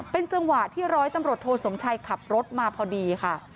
เป็นจังหวะที่ร้อยตำรวจโทสมชัยขับรถมาพอดีค่ะ